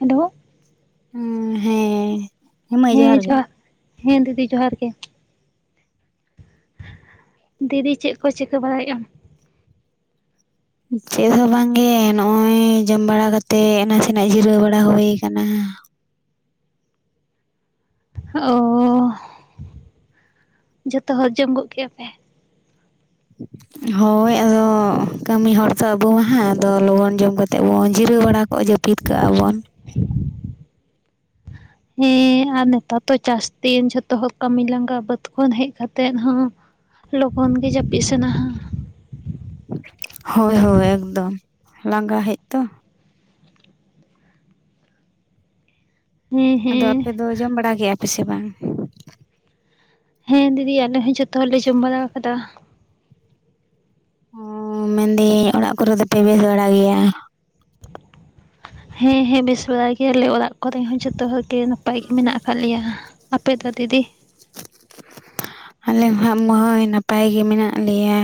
Hello ᱦᱩᱸ ᱦᱮᱸ, ᱦᱮᱸ ᱡᱚᱦᱟᱨ ᱦᱮᱸ ᱫᱤᱫᱤ ᱡᱚᱦᱟᱨ ᱜᱮᱼᱼ ᱫᱤᱫᱤ ᱪᱮᱫ ᱠᱚ ᱪᱤᱠᱟᱹ ᱵᱟᱲᱟᱭ ᱮᱫ ᱟᱢᱼᱼ ᱪᱮᱫ ᱦᱚᱸ ᱵᱟᱝ ᱜᱮ ᱱᱚᱜᱼᱚᱭ ᱡᱚᱢ ᱵᱟᱲᱟ ᱠᱟᱛᱮᱜ ᱱᱟᱥᱮᱱᱟᱜ ᱡᱤᱨᱟᱹᱣ ᱵᱟᱲᱟ ᱦᱩᱭ ᱟᱠᱟᱱᱟ ᱚᱻ ᱡᱚᱛᱚ ᱦᱚᱲ ᱡᱚᱢ ᱜᱚᱜ ᱠᱮᱜᱼᱟ ᱯᱮᱼᱼ [inaudible] ᱦᱳᱭ ᱟᱫᱚ ᱠᱟᱹᱢᱤ ᱦᱚᱲ ᱛᱚ ᱟᱵᱚ ᱢᱟ ᱦᱟᱸᱜ ᱟᱫᱚ ᱞᱚᱜᱚᱱ ᱡᱚᱢ ᱠᱟᱛᱮᱫ ᱵᱚᱱ ᱡᱤᱨᱟᱹᱣ ᱵᱟᱲᱟᱣᱟ ᱠᱚᱜ ᱡᱟᱹᱯᱤᱫ ᱠᱟᱜᱼᱟ ᱵᱚᱱᱼᱼ ᱦᱮᱸ ᱟᱨ ᱱᱮᱛᱟᱨ ᱫᱚ ᱪᱟᱥ ᱫᱤᱱ ᱡᱷᱚᱛᱚ ᱦᱚᱲ ᱠᱟᱹᱢᱤ ᱞᱟᱸᱜᱟ ᱵᱟᱹᱫᱽ ᱠᱷᱚᱱ ᱦᱮᱡ ᱠᱟᱛᱮᱜ ᱦᱚᱸᱼᱼ ᱞᱚᱜᱚᱱ ᱜᱮ ᱡᱟᱹᱯᱤᱫ ᱥᱟᱱᱟᱦᱟ ᱦᱳᱭ ᱦᱳᱭ ᱮᱠᱫᱚᱢ ᱞᱟᱸᱜᱟ ᱦᱮᱡ ᱛᱚᱼᱼ ᱦᱮᱸ ᱟᱫᱚ ᱦᱮᱸ ᱟᱯᱮ ᱫᱚ ᱡᱚᱢ ᱵᱟᱲᱟ ᱠᱮᱜᱼᱟ ᱯᱮ ᱥᱮ ᱵᱟᱝᱼᱼ ᱦᱮᱸ ᱫᱤᱫᱤ ᱟᱞᱮ ᱦᱚᱸ ᱡᱚᱛᱚ ᱦᱚᱲᱞᱮ ᱡᱚᱢ ᱵᱟᱲᱟ ᱟᱠᱟᱫᱟ ᱚ ᱢᱮᱱ ᱫᱤᱧ ᱚᱲᱟᱜ ᱠᱚ ᱨᱮ ᱫᱚᱯᱮ ᱵᱮᱥ ᱵᱟᱲᱟ ᱜᱮᱭᱟ ᱦᱮᱸ ᱦᱮᱸ ᱵᱮᱥ ᱵᱟᱲᱟ ᱜᱮᱭᱟ ᱞᱮ ᱚᱲᱟᱜ ᱠᱚᱨᱮ ᱦᱚᱸ ᱡᱚᱛᱚ ᱦᱚᱲ ᱜᱮᱼᱼ ᱜᱮ ᱱᱟᱯᱟᱭ ᱜᱮ ᱢᱮᱱᱟᱜ ᱟᱠᱟᱫ ᱞᱮᱭᱟ ᱟᱯᱮ ᱫᱚ ᱫᱤᱫᱤᱼᱼ ᱟᱞᱮ ᱦᱚᱸ ᱦᱟᱸᱜ ᱢᱟᱹᱭ ᱱᱟᱯᱟᱭ ᱜᱮ ᱢᱮᱱᱟᱜ ᱞᱮᱭᱟ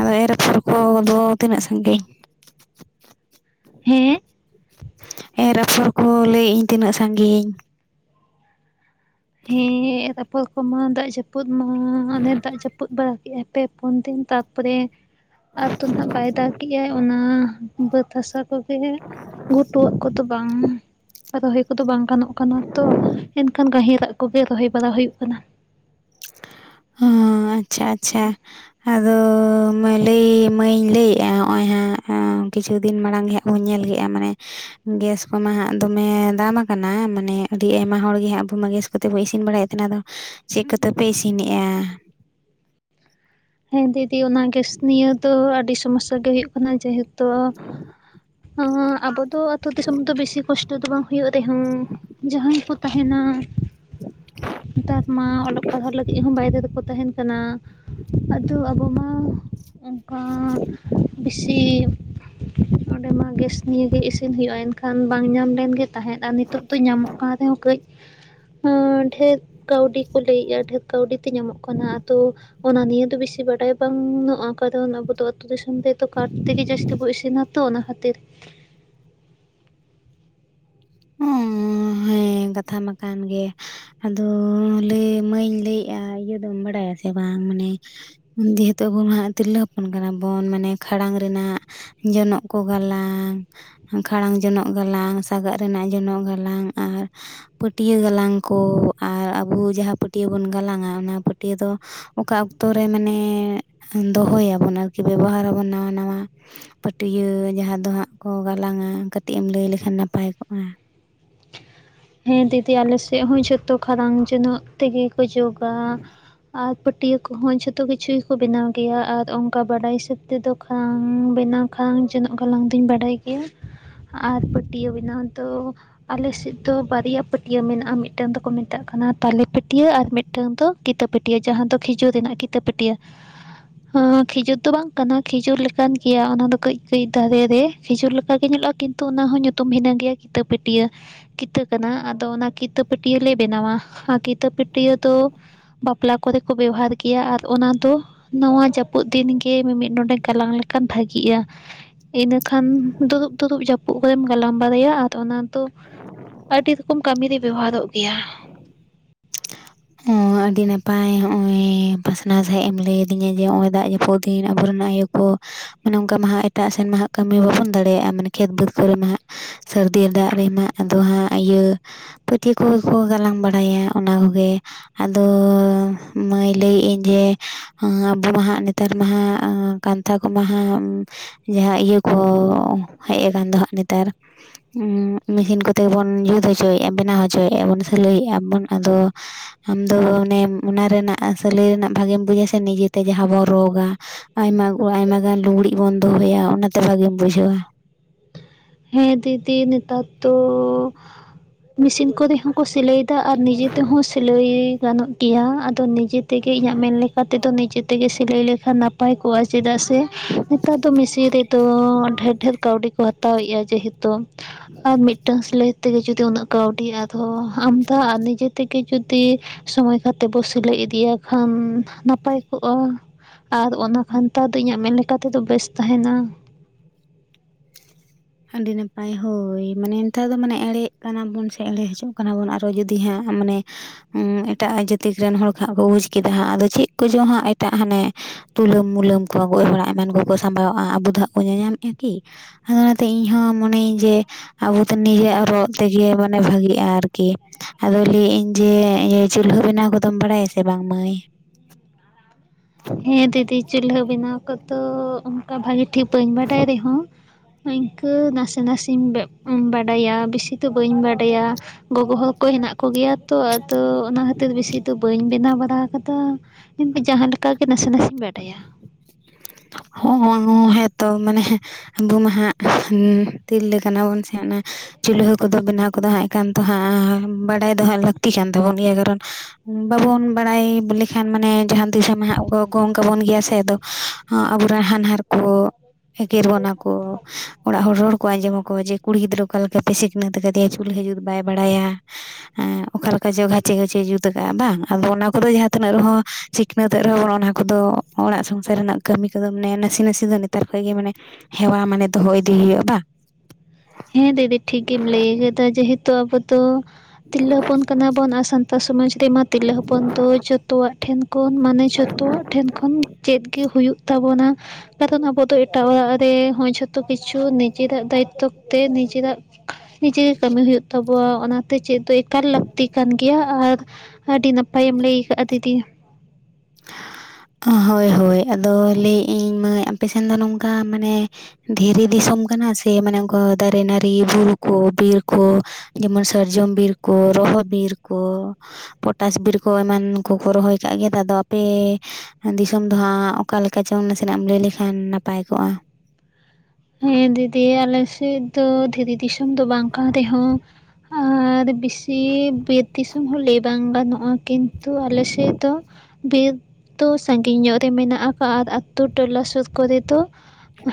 ᱟᱫᱚ ᱮᱨ ᱟᱯᱷᱚᱨ ᱠᱚ ᱫᱚ ᱛᱤᱱᱟᱹᱜ ᱥᱟᱺᱜᱤᱧᱼᱼ ᱦᱮᱸᱼᱼ ᱮᱨ ᱟᱯᱷᱚᱨ ᱠᱚ ᱞᱟᱹᱭ ᱮᱜ ᱟᱹᱧ ᱛᱤᱱᱟᱹᱜ ᱥᱟᱸᱜᱤᱧᱼᱼ ᱦᱮᱸ ᱮᱨ ᱟᱯᱷᱚᱨ ᱠᱚᱢᱟ ᱫᱟᱜ ᱡᱟᱹᱯᱩᱫ ᱢᱟ ᱚᱱᱮ ᱫᱟᱜ ᱡᱟᱹᱯᱩᱫ ᱵᱟᱲᱟ ᱠᱮᱫᱟᱭ ᱯᱮ ᱯᱩᱱ ᱫᱤᱱ ᱛᱟᱨᱯᱚᱨᱮ ᱟᱨ ᱛᱚ ᱱᱟᱦᱟᱜ ᱵᱟᱭ ᱫᱟᱜ ᱮᱜᱼᱟᱭ ᱚᱱᱟ ᱵᱟᱹᱫᱽ ᱦᱟᱥᱟᱼᱼ ᱠᱚ ᱜᱮ ᱜᱷᱩᱴᱩᱣᱟᱜ ᱠᱚ ᱫᱚ ᱵᱟᱝ ᱨᱚᱦᱚᱭ ᱠᱚᱫᱚ ᱵᱟᱝᱼᱼ ᱜᱟᱱᱚᱜ ᱠᱟᱱᱟ ᱛᱚ ᱮᱱᱠᱷᱟᱱ ᱜᱟᱹᱦᱤᱨᱟᱜ ᱠᱚ ᱜᱮ ᱨᱚᱦᱚᱭ ᱵᱟᱲᱟ ᱦᱩᱭᱩᱜ ᱠᱟᱱᱟ ᱚ ᱟᱪᱪᱷᱟ ᱟᱪᱪᱷᱟ ᱟᱫᱚᱼᱼ ᱢᱟᱹᱭ ᱞᱟᱹᱭ ᱢᱟᱹᱧ ᱞᱟᱹᱭᱮᱫᱼᱟ ᱱᱚᱜᱼᱚᱭ ᱦᱟᱸᱜ ᱠᱤᱪᱷᱩ ᱫᱤᱱ ᱢᱟᱲᱟᱝ ᱜᱮ ᱦᱟᱸᱜ ᱵᱚᱱ ᱧᱮᱞ ᱠᱮᱫᱼᱟ ᱢᱟᱱᱮᱼᱼ ᱜᱮᱥ ᱠᱚᱢᱟ ᱦᱟᱸᱜ ᱫᱚᱢᱮ ᱫᱟᱢ ᱟᱠᱟᱱᱟ ᱢᱟᱱᱮ ᱟᱹᱰᱤ ᱟᱭᱢᱟ ᱦᱚᱲ ᱜᱮ ᱦᱟᱸᱜ ᱟᱵᱚ ᱢᱟ ᱜᱮᱥ ᱼᱼ [unintelligible] ᱤᱥᱤᱱ ᱵᱟᱲᱟᱭ ᱮᱫ ᱛᱟᱦᱮᱱ ᱟᱫᱚ ᱪᱮᱫ ᱠᱚᱛᱮ ᱯᱮ ᱤᱥᱤᱱᱮᱜᱼᱟ ᱦᱮᱸ ᱫᱤᱫᱤ ᱚᱱᱟ ᱜᱮᱥ ᱱᱤᱭᱟᱹ ᱫᱚ ᱟᱹᱰᱤ ᱥᱚᱢᱚᱥᱥᱟ ᱜᱮ ᱦᱩᱭᱩᱜ ᱠᱟᱱᱟ ᱡᱮᱦᱮᱛᱩ, [unintelligible] ᱛᱚ ᱟᱛᱳ ᱫᱤᱥᱚᱢ ᱫᱚ ᱵᱮᱥᱤ ᱠᱚᱥᱴᱚ ᱫᱚ ᱵᱟᱝ ᱦᱩᱭᱩᱜ ᱨᱮ ᱦᱚᱸ ᱡᱟᱦᱟᱸᱭ ᱠᱚ ᱛᱟᱦᱮᱱᱟ ᱱᱮᱛᱟᱨ ᱢᱟ ᱚᱞᱚᱜ ᱯᱟᱲᱦᱟᱜ ᱞᱟᱹᱜᱤᱫ ᱦᱚᱸ ᱵᱟᱭᱨᱮ ᱨᱮ ᱠᱚ ᱛᱟᱦᱮᱱ ᱠᱟᱱᱟ [inaudible] ᱟᱫᱚ ᱟᱵᱚ ᱢᱟ ᱚᱱᱠᱟ ᱵᱮᱥᱤᱼᱼ ᱱᱚᱸᱰᱮ ᱢᱟ ᱜᱮᱥ ᱱᱤᱭᱮ ᱜᱮ ᱤᱥᱤᱱ ᱦᱩᱭᱩᱜᱼᱟ ᱮᱱᱼᱼ ᱠᱷᱟᱱ ᱵᱟᱝ ᱧᱟᱢ ᱞᱮᱱ ᱜᱮ ᱛᱟᱦᱮᱸᱫ ᱟᱨ ᱱᱤᱛᱚᱜ ᱫᱚ ᱧᱟᱢᱚᱜ ᱠᱟᱱ ᱨᱮ ᱦᱚᱸ ᱠᱟᱹᱡ ᱰᱷᱮᱨᱼᱼ ᱠᱟᱹᱣᱰᱤ ᱠᱚ ᱞᱟᱹᱭᱮᱫᱼᱟ ᱰᱷᱮᱨ ᱠᱟᱹᱣᱰᱤ ᱛᱮ ᱧᱟᱢᱚᱜ ᱠᱟᱱᱟ ᱟᱫᱚ ᱚᱱᱟ ᱱᱤᱭᱟᱹ ᱫᱚ ᱵᱤᱥᱤᱼᱼ [unintelligible] ᱵᱟᱰᱟᱭ ᱵᱟᱝ ᱱᱩᱜᱼᱟ ᱠᱟᱨᱚᱱ ᱟᱵᱚ ᱫᱚ ᱟᱹᱛᱩ ᱫᱤᱥᱚᱢ ᱨᱮᱫᱚ ᱠᱟᱴ ᱛᱮᱜᱮ ᱡᱟᱹᱥᱛᱤ ᱵᱚ ᱤᱥᱤᱱᱟ᱾ ᱫᱚ ᱚᱱᱟ ᱠᱷᱟᱹᱛᱤᱨᱼᱼ ᱚᱸ ᱦᱮᱸ ᱠᱟᱛᱷᱟ ᱢᱟ ᱠᱟᱱ ᱜᱮᱼᱼ ᱟᱫᱚ ᱞᱟᱹᱭ ᱢᱟᱹᱭ ᱤᱧ ᱞᱟᱹᱭᱮᱫᱼᱟ ᱤᱭᱟᱹ ᱫᱚᱢ ᱵᱟᱲᱟᱭᱟ ᱥᱮ ᱵᱟᱝ ᱢᱟᱱᱮᱼᱼ ᱡᱮᱦᱮᱛᱩ ᱟᱵᱚ ᱱᱟᱸᱜ ᱛᱤᱨᱞᱟᱹ ᱦᱚᱯᱚᱱ ᱠᱟᱱᱟ ᱵᱚᱱ ᱢᱟᱱᱮ ᱠᱷᱟᱲᱟᱝ ᱨᱮᱱᱟᱜ ᱡᱚᱱᱚᱜ ᱠᱚ ᱜᱟᱞᱟᱝ, ᱠᱷᱟᱲᱟᱝ ᱡᱚᱱᱚᱜ ᱜᱟᱞᱟᱝ ᱥᱟᱜᱟᱫ ᱛᱮᱱᱟᱜ ᱡᱚᱱᱚᱜ ᱜᱟᱞᱟᱝ ᱟᱨ ᱯᱟᱹᱴᱤᱭᱟᱹ ᱜᱟᱞᱟᱝ ᱠᱚ ᱟᱨ ᱟᱵᱚ ᱡᱟᱦᱟᱸ ᱯᱟᱹᱴᱤᱭᱟᱹ ᱵᱚᱱ ᱜᱟᱞᱟᱝᱼᱟ ᱚᱱᱟ ᱯᱟᱹᱴᱭᱟᱹ ᱫᱚ ᱚᱠᱟ ᱚᱠᱛᱚ ᱨᱮ ᱢᱟᱱᱮ ᱫᱚᱦᱚᱭᱟᱵᱚᱱ ᱟᱨᱠᱤ ᱵᱮᱵᱚᱦᱟᱨ ᱟᱵᱚᱱ ᱱᱟᱣᱟ ᱱᱟᱣᱟ ᱯᱟᱹᱴᱤᱭᱟᱹ ᱡᱟᱦᱟᱸ ᱫᱚ ᱦᱟᱸᱜ ᱠᱚ ᱜᱟᱞᱟᱝᱼᱟ ᱠᱟᱹᱴᱤᱡ ᱮᱢ ᱞᱟᱹᱭ ᱞᱮᱠᱷᱟᱱ ᱱᱟᱯᱟᱭ ᱠᱚᱜᱼᱟ? ᱦᱮᱸ ᱫᱤᱫᱤ ᱟᱞᱮᱥᱮᱜ ᱦᱚᱸ ᱡᱷᱚᱛᱚ ᱠᱷᱟᱨᱟᱝ ᱡᱚᱱᱚᱜ ᱛᱮᱜᱮ ᱠᱚ ᱡᱚᱜᱟ ᱟᱨ ᱯᱟᱹ ᱴᱤᱭᱟᱹ ᱠᱚᱦᱚᱸ ᱡᱷᱚᱛᱚ ᱠᱤᱪᱷᱩ ᱜᱮᱠᱚ ᱵᱮᱱᱟᱣ ᱜᱮᱭᱟ ᱟᱨ ᱚᱝᱠᱟ ᱵᱟᱰᱟᱭ ᱦᱤᱥᱟᱹᱵ ᱛᱮᱫᱚ ᱠᱷᱟᱱ ᱵᱮᱱᱟᱣ ᱠᱷᱟᱨᱟᱝ ᱡᱚᱱᱚᱜ ᱜᱟᱞᱟᱝ ᱫᱩᱧ ᱵᱟᱰᱟᱭ ᱜᱮᱭᱟ ᱟᱨ ᱯᱟᱹᱴᱭᱟᱹ ᱵᱮᱱᱟᱣ ᱫᱚ ᱟᱞᱮ ᱥᱮᱫ ᱫᱚ ᱵᱟᱨᱭᱟ ᱯᱟᱹᱴᱤᱭᱟ ᱢᱮᱱᱟᱜᱼᱟ, ᱢᱤᱫᱴᱟᱝ ᱫᱚᱠᱚ ᱢᱮᱛᱟᱜ ᱠᱟᱱᱟ ᱛᱟᱞᱮ ᱯᱟᱹᱴᱭᱟ ᱟᱨ ᱢᱤᱫᱴᱟᱝ ᱫᱚ ᱠᱤᱛᱟᱹ ᱯᱟᱹᱴᱤᱭᱟᱹ ᱡᱟᱦᱟᱸ ᱫᱚ ᱠᱷᱤᱡᱩᱨ ᱨᱮᱱᱟᱜ ᱠᱤᱛᱟᱹ ᱯᱟᱹᱴᱤᱭᱟᱹ ᱾ ᱦᱚᱸ ᱠᱷᱮᱡᱩᱨ ᱫᱚ ᱵᱟᱝ ᱠᱟᱱᱟ ᱠᱷᱮᱡᱩᱨ ᱞᱮᱠᱟᱱ ᱜᱮᱭᱟ ᱚᱱᱟ ᱫᱚ ᱠᱟᱹᱡ ᱠᱟᱹᱡ ᱫᱟᱨᱮ ᱨᱮ ᱾ ᱠᱷᱤᱡᱩᱨ ᱞᱮᱠᱟᱜᱮ ᱧᱮᱞᱚᱜᱼᱟ ᱠᱤᱱᱛᱩ ᱚᱱᱟ ᱦᱚᱸ ᱧᱩᱛᱩᱢ ᱵᱷᱤᱱᱟᱹ ᱜᱮᱭᱟ ᱠᱤᱛᱟᱹ ᱯᱟᱹᱴᱤᱭᱟᱹ ᱾ ᱠᱤᱛᱟᱹ ᱠᱟᱱᱟ ᱟᱫᱚ ᱚᱱᱟ ᱠᱤᱛᱟᱹ ᱯᱟᱹᱴᱤᱭᱟᱹ ᱞᱮ ᱵᱮᱱᱟᱣᱟ ᱟᱨ ᱠᱤᱛᱟᱹ ᱯᱟᱹᱴᱤᱭᱟᱹ ᱫᱚ ᱵᱟᱯᱞᱟ ᱠᱚᱨᱮ ᱠᱚ ᱵᱮᱣᱦᱟᱨ ᱜᱮᱭᱟ ᱟᱨ ᱚᱱᱟᱫᱚ ᱱᱚᱣᱟ ᱡᱟᱹᱯᱩᱫ ᱫᱤᱱ ᱜᱮ ᱢᱤᱢᱤᱫ ᱱᱚᱸᱰᱮ ᱜᱟᱞᱟᱝ ᱞᱮᱠᱷᱟᱱ ᱵᱷᱟᱜᱤᱜᱼᱟ ᱾ ᱤᱱᱟᱹ ᱠᱷᱟᱱ ᱫᱩᱨᱩᱵ ᱫᱩᱨᱩᱵ ᱡᱟᱹᱯᱩᱜ ᱠᱚᱨᱮᱢ ᱜᱟᱞᱟᱝ ᱵᱟᱨᱟᱭᱟ ᱟᱨ ᱚᱱᱟ ᱫᱚ [inaudible] ᱟᱹᱰᱤ ᱨᱚᱠᱚᱢ ᱠᱟᱹᱢᱤ ᱨᱮ ᱵᱮᱵᱚᱦᱟᱨᱚᱜ ᱜᱮᱭᱟ ᱾ ᱚᱸ ᱟᱹᱰᱤ ᱱᱟᱯᱟᱭ ᱦᱚᱸᱜᱼᱚᱭ ᱯᱟᱥᱱᱟᱣ ᱥᱟᱺᱦᱤᱡ ᱮᱢ ᱞᱟᱹᱭ ᱟᱹᱫᱤᱧᱟ ᱡᱮ ᱚᱸᱜᱼᱚᱭ ᱫᱟᱜ ᱡᱟᱹᱯᱩᱫ ᱫᱤᱱ ᱟᱵᱚᱨᱮᱱ ᱟᱭᱳ ᱠᱚ ᱢᱟᱱᱮ ᱚᱝᱠᱟ ᱢᱟ ᱦᱟᱜ ᱮᱴᱟᱜ ᱥᱮᱱ ᱢᱟ ᱦᱟᱜ ᱠᱟᱹᱢᱤ ᱵᱟᱵᱚᱱ ᱫᱟᱲᱮᱭᱟᱜᱼᱟ, ᱢᱟᱱᱮ ᱠᱷᱮᱛ ᱵᱟᱹᱫᱽ ᱠᱚᱨᱮ ᱢᱟ ᱦᱟᱸᱜ ᱾ ᱥᱟᱹᱨᱫᱤ ᱫᱟᱜ ᱨᱮᱢᱟ ᱟᱫᱚ ᱦᱟᱸᱜ ᱤᱭᱟᱹ ᱯᱟᱹᱴᱤᱭᱟᱹ ᱠᱚᱜᱮ ᱠᱚ ᱜᱟᱞᱟᱝ ᱵᱟᱲᱟᱭᱟ ᱚᱱᱟ ᱠᱚᱜᱮ, ᱟᱫᱚ ᱢᱟᱹᱭ ᱞᱟᱹᱭᱮᱜ ᱮᱧ ᱡᱮ ᱟᱵᱚ ᱢᱟ ᱦᱟᱜ ᱱᱮᱛᱟᱨ ᱢᱟᱦᱟᱜ ᱠᱟᱱᱛᱷᱟ ᱠᱚ ᱢᱟᱦᱟᱜ ᱡᱟᱦᱟᱸ ᱤᱭᱟᱹ ᱠᱚ ᱦᱮᱡ ᱟᱠᱟᱱ ᱫᱚ ᱦᱟᱸᱜ ᱱᱮᱛᱟᱨ ᱾ ᱩᱸᱜ ᱢᱮᱥᱤᱱ ᱠᱚᱛᱮ ᱜᱮ ᱵᱚᱱ ᱡᱩᱛ ᱦᱚᱪᱚᱭᱮᱜᱼᱟ ᱵᱮᱱᱟᱣ ᱦᱚᱪᱚᱭᱮᱜᱼᱟ ᱵᱚᱱ ᱥᱮ ᱞᱟᱹᱭᱮᱜᱼᱟ ᱵᱚᱱ ᱟᱫᱚ ᱟᱢ ᱫᱚ ᱚᱱᱮᱢ ᱚᱱᱟ ᱨᱮᱱᱟᱜ ᱥᱟᱹᱞᱟᱹᱭ ᱨᱮᱱᱟᱜ ᱵᱷᱟᱜᱮᱢ ᱵᱩᱡᱟ ᱥᱮ ᱱᱤᱡᱮᱛᱮ ᱡᱟᱦᱟᱸ ᱵᱚᱱ ᱨᱳᱜᱼᱟ? ᱟᱭᱢᱟ ᱜᱚ ᱟᱭᱢᱟ ᱜᱟᱱ ᱞᱩᱜᱽᱲᱤᱡ ᱵᱚᱱ ᱫᱚᱦᱚᱭᱟ ᱚᱱᱟᱛᱮ ᱵᱷᱟᱜᱤᱢ ᱵᱩᱡᱷᱟᱹᱣᱟ ᱾ ᱦᱮᱸ ᱫᱤᱫᱤ ᱱᱮᱛᱟᱨ ᱫᱚ ᱢᱮᱥᱤᱱ ᱠᱚᱨᱮ ᱦᱚᱸ ᱠᱚ ᱥᱤᱞᱟᱹᱭ ᱫᱟ ᱟᱨ ᱱᱤᱡᱮ ᱛᱮᱦᱚᱸ ᱥᱤᱞᱟᱹᱭ ᱜᱟᱱᱚᱜ ᱜᱮᱭᱟ, ᱟᱫᱚ ᱱᱤ ᱡᱮ ᱛᱮᱜᱮ ᱤᱧᱟᱹᱜ ᱢᱮᱱ ᱞᱮᱠᱟ ᱛᱮᱫᱚ ᱱᱤᱡᱮᱛᱮᱜᱮ ᱥᱤᱞᱟᱹᱭ ᱞᱮᱠᱷᱟᱱ ᱱᱟᱯ ᱯᱟᱭ ᱠᱚᱜᱼᱟ, ᱪᱮᱫᱟᱜ ᱥᱮ ᱱᱮᱛᱟᱨ ᱫᱚ ᱢᱤᱥᱤᱱ ᱨᱮᱫᱚ ᱰᱷᱮᱨ ᱰᱷᱮᱨ ᱠᱟᱹᱣᱰᱤ ᱠᱚ ᱦᱟ ᱛᱟᱣᱮᱜᱼᱟ ᱡᱮᱦᱮᱛᱩ ᱟᱨ ᱢᱤᱫᱴᱟᱝ ᱥᱤᱞᱟᱹᱭ ᱛᱮᱜᱮ ᱡᱩᱫᱤ ᱩᱱᱟᱹᱜ ᱠᱟᱹᱣᱰᱤ ᱟᱫᱷᱚᱸ ᱟᱢᱫᱟ ᱟᱨ ᱱᱤᱡᱮ ᱛᱮᱜᱮ ᱡᱩᱫᱤ ᱥᱚᱢᱚᱭ ᱠᱟᱛᱮ ᱵᱚ ᱥᱟᱹᱞᱟᱹᱭ ᱤᱫᱤᱭᱟ ᱠᱷᱟᱱ ᱱᱟᱯᱟᱭ ᱠᱚᱜᱼᱟ ᱾ ᱟᱨ ᱚᱱᱟ ᱠᱷᱟᱱᱛᱟ ᱫᱚ ᱤᱧᱟᱹᱜ ᱢᱮᱱ ᱞᱮᱠᱟ ᱛᱮᱫᱚ ᱵᱮᱥ ᱛᱟᱦᱮᱱᱟ ᱾ ᱟᱹᱰᱤ ᱱᱟᱯᱟᱭ ᱦᱳᱭ, ᱢᱟᱱᱮ ᱱᱮᱛᱟᱨ ᱫᱚ ᱢᱟᱱᱮ ᱮᱲᱮᱜ ᱠᱟᱱᱟ ᱵᱚᱱ ᱥᱮ ᱮᱲᱮ ᱦᱚᱪᱚᱜ ᱠᱟᱱᱟ ᱵᱚᱱ ᱟᱨᱚ ᱡᱩᱫᱤ ᱦᱟᱸᱜ ᱢᱟᱱᱮ ᱮᱴᱟᱜ ᱡᱟᱹᱛᱤᱠ ᱨᱮᱱ ᱦᱚᱲ ᱠᱷᱟᱜ ᱠᱚ ᱵᱩᱡᱽ ᱠᱮᱫᱟ ᱦᱟᱸᱜ ᱟᱫᱚ ᱪᱮᱫ ᱠᱚ ᱪᱚ ᱦᱟᱸᱜ ᱮᱴᱟᱜ ᱦᱟᱱᱮ ᱛᱩᱞᱟᱹᱢ ᱢᱩᱞᱟᱹᱢ ᱠᱚᱣᱟ ᱜᱚᱡ ᱦᱚᱲᱟᱜ ᱮᱢᱟᱱ ᱠᱚᱠᱚ ᱥᱟᱢᱵᱟᱣᱟᱜᱼᱟ ᱟᱵᱚ ᱫᱚ ᱦᱟᱸ ᱠᱚ ᱧᱮᱧᱟᱢᱮᱜᱼᱟ ᱠᱤ! ᱟᱫᱚ ᱚᱱᱟ ᱛᱮ ᱤᱧᱦᱚ ᱢᱚᱱᱮᱭᱤᱧ ᱡᱮ ᱟᱵᱚ ᱫᱚ ᱱᱤᱡᱮᱭᱟᱜ ᱨᱚᱜ ᱛᱮᱜᱮ ᱢᱟᱱᱮ ᱵᱷᱟᱹᱜᱤᱜᱼᱟ ᱟᱨᱠᱤ ᱾ ᱟᱫᱚ ᱞᱟᱹᱭᱮᱜ ᱤᱧ ᱡᱮ ᱤᱭᱟᱹ ᱪᱩᱞᱦᱟᱹ ᱵᱮᱱᱟᱣ ᱠᱚᱫᱚᱢ ᱵᱟᱲᱟᱭᱟ ᱥᱮ ᱵᱟᱝ ᱢᱟᱹᱭ? ᱦᱮᱸ, ᱫᱤᱫᱤ ᱪᱩᱞᱦᱟᱹ ᱵᱮᱱᱟᱣ ᱠᱚᱫᱚ ᱚᱝᱠᱟ ᱵᱷᱟᱜᱮ ᱴᱷᱤᱠ ᱵᱟᱹᱧ ᱵᱟᱰᱟᱭ ᱨᱮᱦᱚᱸ ᱤᱝᱠᱟᱹ ᱱᱟᱥᱮ ᱱᱟᱥᱮᱧ ᱵᱮᱵ-ᱵᱟᱰᱟᱭᱟ ᱵᱮᱥᱤ ᱫᱚ ᱵᱟᱹᱧ ᱵᱟᱰᱟᱭᱟ ᱾ ᱜᱚᱜᱚ ᱦᱚᱲ ᱠᱚ ᱦᱮᱱᱟᱜ ᱠᱚᱜᱮᱭᱟ ᱛᱚ ᱟᱫᱚ ᱚᱱᱟ ᱠᱷᱟᱹᱛᱤᱨ ᱵᱮᱥᱤ ᱫᱚ ᱵᱟᱹᱧ ᱵᱮᱱᱟᱣ ᱵᱟᱱᱟ ᱟᱠᱟᱫᱟ᱾ ᱠᱤᱱᱛᱩ ᱡᱟᱦᱟᱸ ᱞᱮᱠᱟ ᱜᱮ ᱱᱟᱥᱮ ᱱᱟᱥᱮᱧ ᱵᱟᱰᱟᱭᱟ ᱦᱚᱸᱦᱚᱸ ᱱᱚ ᱦᱮᱸᱛᱚ ᱢᱟᱱᱮ ᱟᱵᱚ ᱢᱟ ᱦᱟᱸᱜ [unintelligible] ᱛᱤᱨᱞᱟᱹ ᱠᱟᱱᱟ ᱵᱚᱱ ᱥᱮ ᱦᱟᱸᱜ ᱚᱱᱮ ᱪᱩᱞᱦᱟᱹ ᱠᱚᱫᱚ ᱵᱮᱱᱟᱣ ᱠᱚᱫᱚ ᱦᱟᱸᱜ ᱮᱠᱟᱱᱛᱚᱜ ᱦᱟᱸᱜ ᱵᱟᱰᱟᱭ ᱫᱚ ᱦᱟᱸᱜ ᱞᱟᱹᱠᱛᱤ ᱠᱟᱱ ᱛᱟᱵᱚᱱ ᱜᱮᱭᱟ ᱠᱟᱨᱚᱱ ᱵᱟᱵᱚᱱ ᱵᱟᱲᱟᱭ ᱵᱚᱞᱮᱠᱷᱟᱱ ᱢᱟᱱᱮ ᱡᱟᱦᱟᱸ ᱛᱤᱥ ᱢᱟ ᱦᱟᱸᱜ ᱚᱠᱚᱭ ᱜᱚᱝ ᱠᱟᱵᱚᱱ ᱜᱮᱭᱟ ᱥᱮ ᱟᱫᱚ ᱦᱟᱸᱜ ᱟᱵᱚᱨᱮᱱ ᱦᱟᱱᱦᱟᱨ ᱠᱚ ᱮᱜᱮᱨ ᱵᱚᱱᱟ ᱠᱚ ᱚᱲᱟᱜ ᱦᱚᱲ ᱨᱚᱲ ᱠᱚ ᱟᱸᱡᱚᱢᱟᱠᱚᱣᱟ ᱡᱮ ᱠᱩᱲᱤ ᱜᱤᱫᱽᱨᱟᱹ ᱚᱠᱟ ᱞᱮᱠᱟᱯᱮ ᱥᱤᱠᱷᱱᱟᱹᱛ ᱠᱟᱫᱮᱭᱟ ᱪᱩᱞᱦᱟᱹ ᱡᱩᱫ ᱵᱟᱭ ᱵᱟᱲᱟᱭᱟ ᱮᱸᱻ ᱚᱠᱟ ᱞᱮᱠᱟ ᱪᱚ ᱜᱷᱟᱪᱮ ᱜᱷᱟᱪᱮ ᱡᱩᱛ ᱠᱟᱜᱼᱟ ᱵᱟᱝ ᱟᱫᱚ ᱚᱱᱟ ᱠᱚᱫᱚ ᱡᱟᱦᱟᱸ ᱛᱤᱱᱟᱹᱜ ᱨᱮᱦᱚᱸ ᱥᱤᱠᱷᱱᱟᱹᱛᱚᱜ ᱨᱮᱦᱚᱸ ᱵᱚᱱ ᱟᱱᱟ ᱠᱚᱫᱚ ᱚᱲᱟᱜ ᱥᱚᱝᱥᱟᱨ ᱨᱮᱱᱟᱜ ᱠᱟᱹᱢᱤ ᱠᱚᱫᱚ ᱢᱟᱱᱮ ᱱᱟᱥᱮ ᱱᱟᱥᱮ ᱫᱚ ᱱᱮᱛᱟᱨ ᱠᱷᱚᱡ ᱜᱮ ᱢᱟᱱᱮ ᱦᱮᱣᱟ ᱢᱟᱱᱮ ᱫᱚᱦᱚ ᱤᱫᱤ ᱦᱩᱭᱩᱜᱼᱟ ᱵᱟᱝ ᱦᱮᱸ ᱫᱤᱫᱤ ᱴᱷᱤᱠ ᱜᱤᱢ ᱞᱟᱹᱭ ᱟᱠᱟᱫᱟ ᱡᱮᱦᱮᱛᱩ ᱟᱵᱚ ᱫᱚ ᱛᱤᱨᱞᱟᱹ ᱦᱚᱯᱚᱱ ᱠᱟᱱᱟ ᱵᱚᱱ ᱟᱨ ᱥᱟᱱᱛᱟᱲ ᱥᱚᱢᱟᱡᱽ ᱨᱮᱢᱟ ᱛᱤᱨᱞᱟᱹ ᱦᱚᱯᱚᱱ ᱛᱚ ᱡᱚᱛᱚᱣᱟᱜ ᱴᱷᱮᱱ ᱠᱷᱚᱱ ᱢᱟᱱᱮ ᱡᱷᱚᱛᱚᱣᱟᱜ ᱴᱷᱮᱱ ᱠᱷᱚᱱ ᱪᱮᱫ ᱜᱮ ᱦᱩᱭᱩᱜ ᱛᱟᱵᱚᱱᱟ᱾ ᱠᱟᱨᱚᱱ ᱟᱵᱚ ᱫᱚ ᱮᱴᱟᱜ ᱚᱲᱟᱜ ᱨᱮ ᱦᱚᱸ ᱡᱷᱚᱛᱚ ᱠᱤᱪᱷᱩ ᱱᱤᱡᱮᱨᱟᱜ ᱫᱟᱭᱤᱛᱛᱚ ᱛᱮ ᱱᱤᱡᱮᱨᱟᱜ ᱱᱤᱡᱮ ᱜᱮ ᱠᱟᱹᱢᱤ ᱦᱩᱭᱩᱜ ᱛᱟᱵᱚᱣᱟ ᱚᱱᱟᱛᱮ ᱪᱮᱫ ᱫᱚ ᱮᱠᱟᱞ ᱞᱟᱹᱠ ᱛᱤ ᱠᱟᱱ ᱜᱮᱭᱟ ᱟᱨ ᱟᱹᱰᱤ ᱱᱟᱯᱟᱭᱮᱢ ᱞᱟᱹᱭ ᱠᱟᱜᱼᱟ ᱫᱤᱫᱤ ᱦᱳᱭ ᱦᱳᱭ ᱟᱫᱚ ᱞᱟᱹᱭᱮᱫ ᱤᱧ ᱢᱟᱹᱭ ᱟᱯᱮᱥᱮᱱ ᱫᱚ ᱱᱚᱝᱠᱟ ᱢᱟᱱᱮ ᱫᱷᱤᱨᱤ ᱫᱤᱥᱚᱢ ᱠᱟᱱᱟ ᱥᱮ ᱢᱟᱱᱮ ᱚᱝᱠᱟ ᱫᱟᱨᱮ ᱱᱟᱹᱨᱤ ᱵᱩᱨᱩ ᱠᱚ ᱵᱤᱨ ᱠᱚ ᱡᱮᱢᱚᱱ ᱥᱟᱨᱡᱚᱢ ᱵᱤᱨ ᱠᱚ ᱨᱚᱦᱚ ᱵᱤᱨ ᱠᱚ ᱯᱚᱴᱟᱥ ᱵᱤᱨ ᱠᱚ ᱮᱢᱟᱱ ᱠᱚᱠᱚ ᱨᱚᱦᱚᱭ ᱠᱟᱜ ᱜᱮ ᱟᱫᱚ ᱟᱯᱮ ᱫᱤᱥᱚᱢ ᱫᱚ ᱦᱟᱸᱜ ᱚᱠᱟ ᱞᱮᱠᱟ ᱪᱚᱝ ᱱᱟᱥᱮᱱᱟᱜ ᱮᱢ ᱞᱟᱹᱭ ᱞᱮᱠᱷᱟᱱ ᱱᱟᱯᱟᱭ ᱠᱚᱜᱼᱟ ᱾ ᱦᱮᱸ ᱫᱤᱫᱤ ᱟᱞᱮ ᱥᱮᱫ ᱫᱚ ᱫᱷᱤᱨᱤ ᱫᱤᱥᱚᱢ ᱫᱚ ᱵᱟᱝ ᱠᱟᱱ ᱨᱮᱦᱚᱸ ᱟᱸᱻ ᱟᱨ ᱵᱤᱥᱤ ᱵᱤᱨ ᱫᱤᱥᱚᱢ ᱦᱚᱸ ᱞᱟᱹᱭ ᱵᱟᱝ ᱜᱟᱱᱚᱜᱼᱟ ᱠᱤᱱᱛᱩ ᱟᱞᱮᱥᱮᱫ ᱫᱚ ᱵᱤᱨ ᱫᱚ ᱥᱟᱺᱜᱤᱧ ᱧᱚᱜ ᱨᱮ ᱢᱮᱱᱟᱜ ᱟᱠᱟᱫ ᱟᱨ ᱟᱛᱳ ᱴᱚᱞᱟ ᱥᱩᱨ ᱠᱚᱨᱮ ᱫᱚ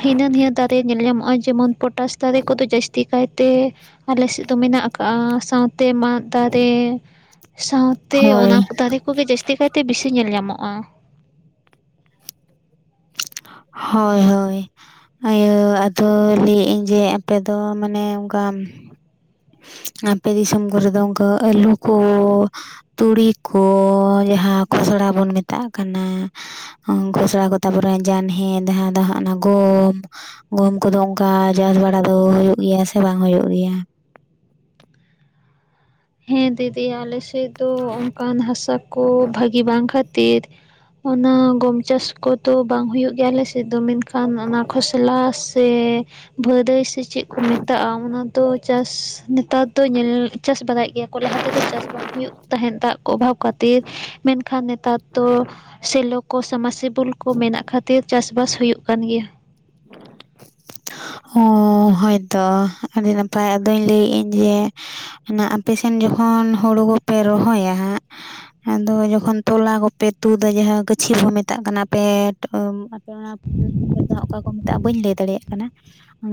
ᱦᱤᱱᱟᱹ ᱱᱤᱭᱟᱹ ᱫᱟ ᱧᱟᱢᱚᱜᱼᱟ ᱡᱮᱢᱚᱱ ᱯᱚᱴᱟᱥ ᱫᱟᱨᱮ ᱠᱚᱫᱚ ᱡᱟᱹᱥᱛᱤ ᱠᱟᱭᱛᱮ ᱟᱞᱮ ᱥᱮᱫ ᱫᱚ ᱢᱮᱱᱟᱜ ᱟᱠᱟᱜᱼᱟ᱾ ᱥᱟᱶ ᱛᱮ ᱢᱟᱫ ᱫᱟᱨᱮ ᱥᱟᱶᱛᱮ ᱦᱳᱭ ᱚᱱᱟ ᱠᱚ ᱫᱟᱨᱮ ᱠᱚᱜᱮ ᱡᱟᱹᱥ ᱛᱤ ᱠᱟᱭᱛᱮ ᱵᱤᱥᱤ ᱧᱮᱞ ᱧᱟᱢᱚᱜᱼᱟ᱾ ᱦᱳᱭ ᱦᱳᱭ ᱤᱭᱟᱹ ᱟᱫᱚ ᱞᱟᱹᱭᱮᱫ ᱟᱹᱧ ᱡᱮ ᱟᱯᱮ ᱫᱚ ᱢᱟᱱᱮ ᱚᱝᱠᱟ ᱟᱯᱮ ᱫᱤᱥᱚᱢ ᱠᱚᱨᱮ ᱫᱚ ᱚᱝᱠᱟ ᱟᱹᱞᱩ ᱠᱚ ᱛᱩᱲᱤ ᱠᱚ ᱡᱟᱦᱟᱸ ᱠᱷᱚᱥᱲᱟ ᱵᱚᱱ ᱢᱮᱛᱟᱜᱼᱟ ᱠᱟᱱᱟ ᱟᱸ ᱠᱷᱚᱥᱲᱟ ᱠᱚ ᱛᱟᱨᱯᱚᱨᱮ ᱚᱱᱟ ᱡᱟᱱᱦᱮ ᱡᱟᱦᱟᱸ ᱫᱚ ᱦᱟᱸᱜ ᱚᱱᱟ ᱜᱚᱢ ᱜᱩᱦᱩᱢ ᱠᱚᱫᱚ ᱚᱝᱠᱟ ᱪᱟᱥ ᱵᱟᱲᱟ ᱫᱚ ᱦᱩᱭᱩᱜ ᱜᱮᱭᱟ ᱥᱮ ᱵᱟᱝ ᱦᱩᱭᱩᱜ ᱜᱮᱭᱟ᱾ ᱦᱮᱸ ᱫᱤᱫᱤ ᱟᱞᱮ ᱥᱮᱫ ᱫᱚ ᱚᱝᱠᱟᱱ ᱦᱟᱥᱟ ᱠᱚ ᱵᱷᱟᱹᱜᱤ ᱵᱟᱝ ᱠᱷᱟᱹᱛᱤᱨ ᱚᱱᱟ ᱜᱚᱢ ᱪᱟᱥ ᱠᱚᱫᱚ ᱵᱟᱝ ᱦᱩᱭᱩᱜ ᱜᱮᱭᱟ ᱟᱞᱮᱥᱮᱫ ᱫᱚ ᱢᱮᱱᱠᱷᱟᱱ ᱚᱱᱟ ᱠᱷᱚᱥᱞᱟᱥ ᱥᱮ ᱵᱷᱟᱹᱫᱟᱹᱭ ᱥᱮ ᱪᱮᱫ ᱠᱚ ᱢᱮᱛᱟᱜᱼᱟ ᱚᱱᱟ ᱫᱚ ᱪᱟᱥ ᱱᱮᱛᱟᱨ ᱫᱚ ᱧᱮᱞ ᱪᱟᱥ ᱵᱟᱲᱟᱭᱮᱫ ᱜᱮᱭᱟ ᱠᱚ ᱞᱟᱦᱟ ᱛᱮᱫᱚ ᱪᱟᱥ ᱵᱟᱝ ᱦᱩᱭᱩᱜ ᱛᱟᱦᱮᱸᱫ ᱫᱟᱜ ᱠᱚ ᱚᱵᱷᱟᱵᱽ ᱠᱷᱟᱹᱛᱤᱨ ᱢᱮᱱᱠᱷᱟᱱ ᱱᱮᱛᱟᱨ ᱫᱚ ᱥᱮᱞᱚ ᱠᱚ ᱥᱟᱢᱟᱥᱤᱵᱩᱞ ᱠᱚ ᱢᱮᱱᱟᱜ ᱠᱷᱟᱹᱛᱤᱨ ᱪᱟᱥᱵᱟᱥ ᱦᱩᱭᱩᱜ ᱠᱟᱱ ᱜᱮᱭᱟ᱾ [unintelligible] ᱚᱸᱻ ᱦᱳᱭᱛᱚ ᱟᱹᱰᱤ ᱱᱟᱯᱟᱭ ᱟᱫᱚᱧ ᱞᱟᱹᱭᱮᱫ ᱟᱹᱧ ᱡᱮ ᱚᱱᱟ ᱟᱯᱮ ᱥᱮᱱ ᱡᱚᱠᱷᱚᱱ ᱦᱩᱲᱩ ᱠᱚᱯᱮ ᱨᱚᱦᱚᱭᱟ ᱦᱟᱸᱜ ᱟᱫᱚ ᱡᱚᱠᱷᱚᱱ ᱛᱚᱞᱟ ᱠᱚᱯᱮ ᱛᱩᱫᱟ ᱡᱟᱦᱟᱸ ᱜᱟᱹᱪᱷᱤ ᱵᱚ ᱢᱮᱛᱟᱜ ᱠᱟᱱᱟ ᱯᱮᱸᱴ ᱟᱹᱢ [unintelligible] ᱚᱠᱟ ᱠᱚ ᱢᱮᱛᱟᱜᱼᱟ ᱵᱟᱹᱧ ᱞᱟᱹᱭ ᱫᱟᱲᱮᱭᱟᱜ ᱠᱟᱱᱟ᱾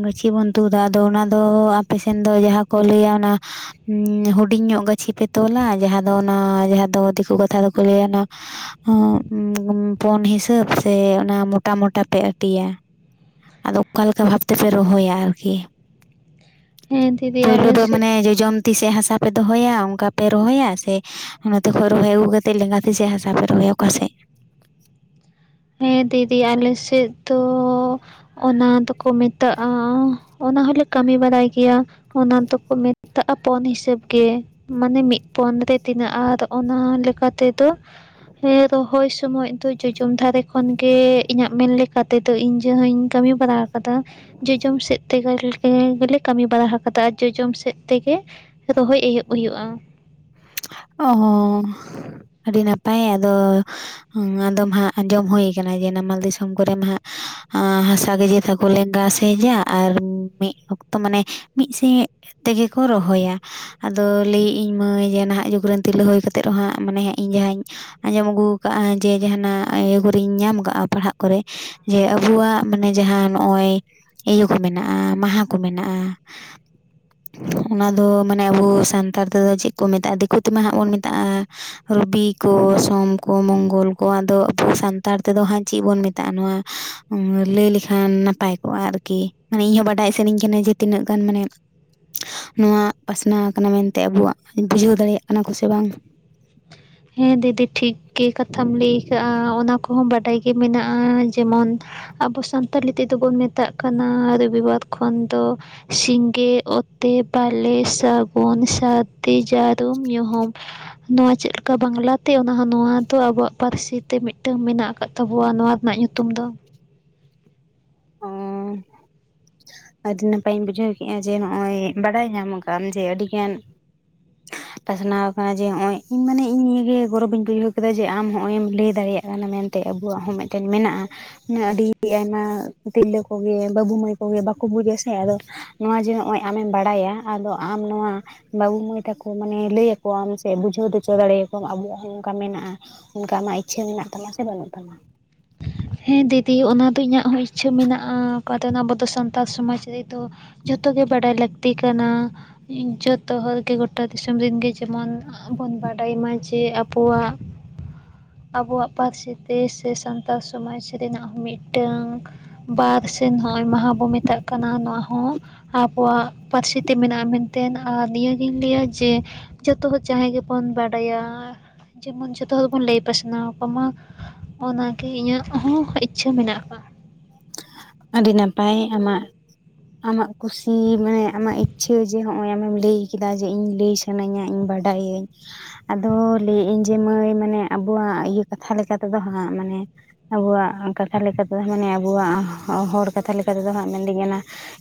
ᱜᱟᱹᱪᱷᱤ ᱵᱚᱱ ᱛᱩᱫᱟ, ᱟᱫᱚ ᱚᱱᱟ ᱫᱚ ᱟᱯᱮ ᱥᱮᱱ ᱫᱚ ᱡᱟᱦᱟᱸ ᱠᱚ ᱞᱟᱹᱭᱟ ᱚᱱᱟ ᱩᱸ ᱦᱩᱰᱤᱧ ᱧᱚᱜ ᱜᱟᱹᱪᱷᱤ ᱯᱮ ᱛᱚᱞᱟ, ᱡᱟᱦᱟᱸ ᱫᱚ ᱚᱱᱟ ᱡᱟᱦᱟᱸ ᱫᱚ ᱫᱤᱠᱩ ᱠᱟᱛᱷᱟ ᱫᱚᱠᱚ ᱞᱟᱹᱭᱟ ᱚᱱᱟ ᱦᱚᱸ ᱯᱚᱱ ᱦᱤᱥᱟᱹᱵ ᱥᱮ ᱚᱱᱟ ᱢᱚᱴᱟ ᱢᱚᱴᱟ ᱯᱮ ᱟᱹᱴᱤᱭᱟ? ᱟᱫᱚ ᱚᱠᱟ ᱞᱮᱠᱟ ᱵᱷᱟᱵᱽ ᱛᱮ ᱯᱮ ᱨᱚᱦᱚᱭᱟ ᱟᱨᱠᱤ? ᱦᱮᱸ ᱫᱤᱫᱤ ᱯᱳᱭᱞᱳ ᱟᱞᱮ ᱫᱚ ᱥᱮᱫ ᱢᱟᱱᱮ ᱡᱚᱡᱚᱢ ᱛᱤ ᱥᱮᱜ ᱦᱟᱥᱟ ᱯᱮ ᱫᱚᱦᱚᱭᱟ ᱚᱝᱠᱟ ᱯᱮ ᱨᱚᱦᱚᱭᱟ ᱥᱮ ᱱᱚᱛᱮ ᱠᱷᱚᱡ ᱨᱚᱦᱚᱭ ᱟᱹᱜᱩ ᱠᱟᱛᱮᱜ ᱞᱮᱸᱜᱟ ᱛᱤ ᱥᱮᱫ ᱦᱟᱥᱟ ᱯᱮ ᱨᱚᱦᱚᱭᱟ, ᱚᱠᱟ ᱥᱮᱜ? ᱦᱮᱸ ᱫᱤᱫᱤ ᱟᱞᱮ ᱥᱮᱫ ᱫᱚ ᱚᱱᱟ ᱫᱚᱠᱚ ᱢᱮᱛᱟᱜᱼᱟ, ᱚᱱᱟ ᱦᱚᱸ ᱞᱮ ᱠᱟᱢᱤ ᱵᱟᱲᱟᱭ ᱜᱮᱭᱟ᱾ ᱚᱱᱟ ᱫᱚᱠᱚ ᱢᱮᱛᱟᱜᱼᱟ ᱯᱚᱱ ᱦᱤᱥᱟᱹᱵ ᱜᱮ᱾ ᱢᱟᱱᱮ ᱢᱤᱫ ᱯᱚᱱ ᱨᱮ ᱛᱤᱱᱟᱹᱜ-ᱟ ᱟᱨ ᱚᱱᱟ ᱞᱮᱠᱟ ᱛᱮᱫᱚ ᱦᱮᱸ ᱨᱚᱦᱚᱭ ᱥᱚᱢᱚᱡ ᱫᱚ ᱡᱚᱡᱚᱢ ᱫᱷᱟᱨᱮ ᱠᱷᱚᱱ ᱜᱮ ᱤᱧᱟᱹᱜ ᱢᱮᱱ ᱞᱮᱠᱟ ᱛᱮᱫᱚ ᱤᱧ ᱡᱟᱹᱦᱟᱸᱧ ᱠᱟᱢᱤ ᱵᱟᱲᱟ ᱠᱟᱫᱟ, ᱡᱚᱡᱚᱢ ᱥᱮᱫ ᱛᱮᱜᱮ [inaudible] ᱜᱮᱞᱮ ᱠᱟᱹᱢᱤ ᱵᱟᱲᱟ ᱟᱠᱟᱫᱟ ᱟᱨ ᱡᱚᱡᱚᱢ ᱥᱮᱫ ᱛᱮᱜᱮ ᱨᱚᱦᱚᱭ ᱮᱦᱚᱵ ᱦᱩᱭᱩᱜᱼᱟ᱾ ᱚ ᱦᱚ ᱦᱚ ᱦᱚ, ᱟᱰᱤ ᱱᱟᱯᱟᱭ ᱟᱫᱚ ᱟᱫᱚᱢ ᱦᱟᱸᱜ ᱟᱸᱡᱚᱢ ᱦᱩᱭ ᱠᱟᱱᱟ ᱡᱮ ᱱᱟᱢᱟᱞ ᱫᱤᱥᱚᱢ ᱠᱚᱨᱮ ᱢᱟᱦᱟᱸᱜ, ᱟᱸ ᱦᱟᱥᱟ ᱜᱟᱡᱮ ᱛᱟ ᱠᱚ ᱞᱮᱸᱜᱟ ᱥᱮᱡᱟ, ᱟᱨ ᱢᱤᱫ ᱚᱠᱛᱚ ᱢᱟᱱᱮ ᱢᱤᱫ ᱥᱮᱜ ᱛᱮᱜᱮ ᱠᱚ ᱨᱚᱦᱚᱭᱟ ᱞ, ᱟᱫᱚ ᱞᱟᱹᱭᱮᱜ ᱤᱧ ᱢᱟᱹᱭ ᱡᱮ ᱱᱟᱦᱟᱜ ᱡᱩᱜᱽ ᱨᱮᱱ ᱛᱤᱨᱞᱟᱹ ᱦᱳᱭ ᱠᱟᱛᱮᱫ ᱨᱮᱦᱚᱸᱢᱟᱱᱮ ᱤᱧ ᱡᱟᱦᱟᱸᱧ ᱟᱸᱡᱚᱢ ᱟᱹᱜᱩ ᱠᱟᱜᱼᱟ ᱡᱮ ᱡᱟᱦᱟᱸᱱᱟᱜ ᱤᱭᱟᱹ ᱠᱚᱨᱮᱧ ᱧᱟᱢ ᱠᱟᱜᱼᱟ ᱯᱟᱲᱦᱟᱜ ᱠᱚᱨᱮ, ᱡᱮ ᱟᱵᱚᱣᱟᱜ ᱢᱟᱱᱮ ᱡᱟᱦᱟᱸ ᱱᱚᱜ-ᱚᱭ ᱤᱭᱟᱹ ᱠᱚ ᱢᱮᱱᱟᱜᱼᱟ, ᱢᱟᱦᱟ ᱠᱚ ᱢᱮᱱᱟᱜᱼᱟ᱾ ᱚᱱᱟ ᱫᱚ ᱢᱟᱱᱮ ᱟᱵᱚ ᱥᱟᱱᱛᱟᱲ ᱛᱮᱫᱚ ᱪᱮᱫ ᱠᱚ ᱢᱮᱛᱟᱜᱼᱟ, ᱫᱤᱠᱩ ᱛᱮᱢᱟ ᱦᱟᱸᱜ ᱵᱚᱱ ᱢᱮᱛᱟᱜᱼᱟ ᱨᱚᱵᱤ ᱠᱚ, ᱥᱚᱢ ᱠᱚ, ᱢᱚᱝᱜᱚᱞ ᱠᱚ ᱟᱫᱚ ᱟᱵᱚ ᱥᱟᱱᱛᱟᱲ ᱛᱮᱫᱚ ᱦᱟᱸᱜ ᱪᱮᱫ ᱵᱚᱱ ᱢᱮᱛᱟᱜᱼᱟ ᱱᱚᱣᱟ ᱚᱝ ᱞᱟᱹᱭ ᱞᱮᱠᱷᱟᱱ ᱱᱟᱯᱟᱭ ᱠᱚᱜᱼᱟ ᱟᱨᱠᱤ? ᱢᱟᱱᱮ ᱤᱧ ᱦᱚᱸ ᱵᱟᱰᱟᱭ ᱥᱟᱱᱟᱹᱧ ᱠᱟᱱᱟ ᱡᱮ ᱛᱤᱱᱟᱹᱜ ᱜᱟᱱ ᱢᱟᱱᱮ [unintelligible] ᱱᱚᱣᱟ ᱯᱟᱥᱱᱟᱣ ᱠᱟᱱᱟ ᱢᱮᱱᱛᱮ ᱟᱵᱚᱣᱟᱜ ᱵᱩᱡᱷᱟᱹᱣ ᱫᱟᱲᱮᱭᱟᱜ ᱠᱟᱱᱟ ᱠᱚ ᱥᱮ ᱵᱟᱝ? ᱦᱮᱸ ᱫᱤᱫᱤ ᱴᱷᱤᱠ ᱜᱮ ᱠᱟᱛᱷᱟᱢ ᱞᱟᱹᱭ ᱠᱟᱜᱼᱟ, ᱚᱱᱟ ᱠᱚᱦᱚᱸ ᱵᱟᱰᱟᱭ ᱜᱮ ᱢᱮᱱᱟᱜᱼᱟ ᱡᱮᱢᱚᱱᱼᱼ ᱟᱵᱚ ᱥᱟᱱᱛᱟᱞᱤ ᱛᱮᱫᱚ ᱵᱚᱱ ᱢᱮᱛᱟᱜ ᱠᱟᱱᱟ ᱨᱚᱵᱤ ᱵᱟᱨ ᱠᱷᱚᱱ ᱫᱚ ᱥᱤᱸᱜᱮ, ᱚᱛᱮ, ᱵᱟᱞᱮ, ᱥᱟᱜᱩᱱ, ᱥᱟᱨᱫᱤ, ᱡᱟᱨᱩᱢ, ᱧᱩᱦᱩᱢ ᱾ ᱱᱚᱣᱟ ᱪᱮᱫ ᱞᱮ ᱠᱟ ᱵᱟᱝᱞᱟ ᱛᱮ ᱚᱱᱟ ᱦᱚᱸ ᱱᱚᱣᱟ ᱫᱚ ᱟᱵᱚᱣᱟᱜ ᱯᱟᱨᱥᱤ ᱛᱮ ᱢᱤᱫᱴᱟᱝ ᱢᱮᱱᱟᱜ ᱟᱠᱟᱫ ᱛᱟᱵᱚᱱᱟ ᱱᱚᱣᱟ ᱨᱮᱱᱟᱜ ᱧᱩᱛᱩᱢ ᱫᱚ᱾ [inaudible] ᱟᱰᱤ ᱱᱟᱯᱟᱭ ᱤᱧ ᱵᱩᱡᱷᱟᱹᱣ ᱠᱮᱜ-ᱟ ᱡᱮ ᱱᱚᱜ-ᱚᱭ ᱵᱟᱲᱟᱭ ᱧᱟᱢ ᱠᱟᱜ-ᱟᱢ ᱡᱮ ᱟᱹᱰᱤ ᱜᱟᱱ [inaudible] ᱯᱟᱥᱱᱟᱣ ᱟᱠᱟᱱᱟ ᱡᱮ ᱦᱚᱸᱜ-ᱚᱭ, ᱤᱧ ᱢᱟᱱᱮ ᱤᱧ ᱱᱤᱭᱟᱹ ᱜᱮ ᱜᱚᱨᱚᱵᱤᱧ ᱵᱩᱡᱷᱟᱹᱣ ᱠᱮᱫᱟ ᱡᱮ ᱟᱢ ᱦᱚᱸᱜ-ᱚᱭ ᱮᱢ ᱞᱟᱹᱭ ᱫᱟᱲᱮᱭᱟᱜ ᱠᱟᱱᱟᱢ ᱢᱮᱱ -ᱛᱮ, ᱟᱵᱚᱣᱟᱜ ᱦᱚᱸ ᱢᱤᱫᱴᱮᱱ ᱢᱮᱱᱟᱜᱼᱟ, ᱟᱹᱰᱤ ᱟᱭᱢᱟ ᱛᱤᱨᱞᱟᱹ ᱠᱚᱜᱮ, ᱵᱟᱵᱩ ᱢᱟᱹᱭ ᱠᱚᱜᱮ ᱵᱟᱠᱚ ᱵᱩᱡᱟ ᱥᱮ ᱟᱫᱚ ᱱᱚᱣᱟ ᱡᱮ ᱱᱚᱜ-ᱚᱭ ᱟᱢᱮᱢ ᱵᱟᱲᱟᱭᱟ, ᱟᱫᱚ ᱟᱢ ᱱᱚᱣᱟ ᱵᱟᱵᱩ ᱢᱟᱹᱭ ᱛᱟᱠᱚ ᱢᱟᱱᱮ ᱞᱟᱹᱭ ᱟᱠᱚᱣᱟᱢ ᱥᱮ ᱵᱩᱡᱷᱟᱹᱣ ᱦᱚᱪᱚ ᱫᱟᱲᱮᱭᱟ ᱠᱚᱣᱟᱢ ᱟᱵᱚᱣᱟᱜ ᱦᱚᱸ ᱱᱚᱝᱠᱟ ᱢᱮᱱᱟᱜᱼᱟ᱾ ᱚᱱᱠᱟ ᱟᱢᱟᱜ ᱤᱪᱪᱷᱟᱹ ᱢᱮᱱᱟᱜ ᱛᱟᱢᱟ ᱥᱮ ᱵᱟᱱᱩᱜ ᱛᱟᱢᱟ? ᱦᱮᱸ ᱫᱤᱫᱤ ᱚᱱᱟ ᱫᱚ ᱤᱧᱟᱹᱜ ᱦᱚᱸ ᱤᱪᱪᱷᱟᱹ ᱢᱮᱱᱟᱜᱼᱟ ᱚᱠᱟ [unintelligible] ᱟᱵᱚ ᱫᱚ ᱥᱟᱱᱛᱟᱲ ᱥᱚᱢᱟᱡᱽ ᱨᱮ ᱫᱚ ᱡᱷᱚᱛᱚ ᱜᱮ ᱵᱟᱰᱟᱭ ᱞᱟᱹᱠᱛᱤ ᱠᱟᱱᱟ, ᱡᱚᱛᱚ ᱦᱚᱲ ᱜᱮ ᱜᱚᱴᱟ ᱫᱤᱥᱚᱢ ᱨᱮᱱᱜᱮ ᱡᱮᱢᱚᱱ ᱟ [inaudible] ᱵᱚᱱ ᱵᱟᱰᱟᱭ ᱢᱟ ᱡᱮ ᱟᱵᱚᱣᱟᱜ, ᱟᱵᱚᱣᱟᱜ ᱯᱟᱨᱥᱤ ᱛᱮ ᱥᱮ ᱥᱟᱱ ᱥᱟᱱᱛᱟᱲ ᱥᱚᱢᱟᱡᱽ ᱨᱮᱱᱟᱜ ᱢᱤᱫᱴᱟᱝ ᱵᱟᱨ ᱥᱮ ᱱᱚᱜᱚᱭ ᱢᱟᱦᱟ ᱵᱚ ᱢᱮᱛᱟᱜ ᱠᱟᱱᱟ᱾ ᱠᱟᱱᱟ ᱱᱚᱣᱟ ᱦᱚᱸ ᱟᱵᱚᱣᱟᱜ ᱯᱟᱹᱨᱥᱤ ᱛᱮ ᱢᱮᱱᱟᱜᱼᱟ ᱢᱮᱱᱛᱮ ᱟᱨ ᱱᱤᱭᱟᱹᱜᱤᱧ ᱞᱟᱹᱭᱟ ᱡᱮ ᱡᱚᱛᱚ ᱦᱚᱲ ᱡᱟᱦᱟᱸᱭ ᱜᱮᱵᱚᱱ ᱵᱟᱰᱟᱭᱟ᱾ ᱡᱮᱢᱚᱱ ᱡᱷᱚᱛᱚ ᱦᱚᱲ ᱵᱚᱱ ᱞᱟᱹᱭ ᱯᱟᱥᱱᱟᱣ ᱟᱠᱚ ᱢᱟ ᱚᱱᱟ ᱤᱧᱟᱹᱜ ᱦᱚᱸ ᱤᱪᱪᱷᱟᱹ ᱢᱮᱱᱟᱜ ᱟᱠᱟᱫ᱾ ᱟᱹᱰᱤ ᱱᱟᱯᱟᱭ ᱟᱢᱟᱜ ᱟᱢᱟᱜ ᱠᱩᱥᱤ ᱢᱟᱱᱮ ᱟᱢᱟᱜ ᱤᱪᱪᱷᱟᱹ ᱡᱮ ᱱᱚᱜ ᱚᱭ ᱟᱢᱮᱢ ᱞᱟᱹᱭ ᱠᱮᱫᱟ ᱡᱮ ᱤᱧ ᱞᱟᱹᱭ ᱥᱟᱼᱼ ᱥᱟᱱᱟᱧᱟ ᱤᱧ ᱵᱟᱰᱟᱭᱟᱹᱧ᱾ ᱟᱫᱚ ᱞᱟᱹᱭ ᱮᱭᱟ ᱤᱧ ᱡᱮ ᱢᱟᱹᱭ ᱢᱟᱱᱮ ᱟᱵᱚᱣᱟᱜ ᱤᱭᱟᱹ ᱠᱟᱛᱷᱟ ᱞᱮᱠᱟ ᱛᱮᱫᱚ ᱦᱟᱸᱜ ᱢᱟᱱᱮ ᱟᱵᱚᱣᱟᱜ ᱠᱟᱛᱷᱟ ᱞᱮᱠᱟ ᱛᱮᱫᱚ ᱢᱟᱱᱮ ᱟᱵᱚᱣᱟᱜ ᱦᱚᱲ ᱠᱟᱛᱷᱟ ᱞᱮᱠᱟ ᱛᱮᱫᱚ ᱦᱟᱸᱜ ᱢᱮᱱᱰᱤ ᱚᱱᱟ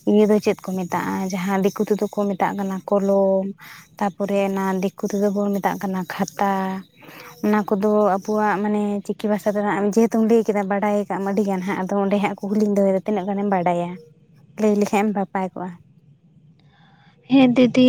ᱱᱤᱭᱟᱹ ᱫᱚ ᱪᱮᱫ ᱠᱚ ᱢᱮᱛᱟᱜᱼᱟ ᱡᱟᱦᱟᱸ ᱫᱤᱠᱩ ᱛᱮᱫᱚ ᱠᱚ ᱢᱮᱛᱟᱜ ᱠᱟᱱᱟ ᱠᱚᱞᱚᱢ? ᱛᱟᱨᱯᱚᱨᱮ ᱚᱱᱟ ᱫᱤᱠᱩ ᱛᱮᱫᱚ ᱵᱚᱱ ᱢᱮᱛᱟᱜ ᱠᱟᱱᱟ ᱠᱷᱟᱛᱟ ᱚᱱᱟ ᱠᱚᱫᱚ ᱟᱵᱚᱣᱟᱜ ᱢᱟᱱᱮ ᱪᱤᱠᱤ ᱵᱷᱟᱥᱟ ᱫᱚ ᱡᱮᱦᱮᱛᱩ ᱞᱟᱹᱭ ᱠᱮᱫᱟ ᱵᱟᱰᱟᱭ ᱠᱟᱜ ᱟᱢ ᱟᱹᱰᱤ ᱜᱟᱱ ᱦᱟᱸᱜ ᱛᱚ ᱚᱸᱰᱮ ᱦᱟᱸᱜ ᱠᱩᱠᱞᱤᱧ ᱫᱚᱦᱚᱭᱮᱫᱟ ᱛᱤᱱᱟᱹᱜ ᱜᱟᱱᱮᱢ ᱵᱟᱰᱟᱭᱟ? ᱞᱟᱹᱭ ᱞᱮᱠᱷᱟᱱ ᱮᱢ ᱱᱟᱯᱟᱭ ᱠᱚᱜᱼᱟ᱾ ᱦᱮᱸ ᱫᱤᱫᱤ